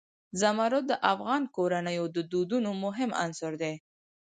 زمرد د افغان کورنیو د دودونو مهم عنصر دی.